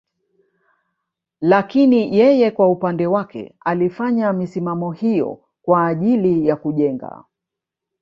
Lakini yeye kwa upande wake alifanya misimamo hiyo kwa ajili ya kujenga